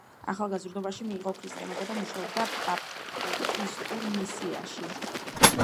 ახალგაზრდობაში მიიღო ქრისტიანობა და მუშაობდა ბაპტისტურ მისიაში.